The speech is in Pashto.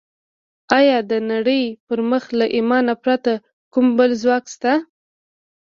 ایا د نړۍ پر مخ له ایمانه پرته کوم بل ځواک شته